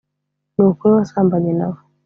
ni ukuri wasambanye na bo